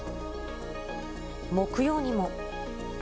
木曜にも。